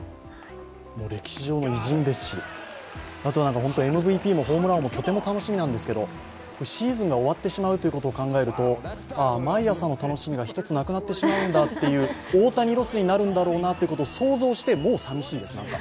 歴史上の偉人ですし、あとはＭＶＰもホームラン王もとても楽しみなんですけどシーズンが終わってしまうということを考えると毎朝の楽しみが１つなくなってしまうんだという、大谷ロスを想像して、もうさみしいです、なんか。